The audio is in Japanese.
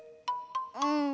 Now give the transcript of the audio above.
うん。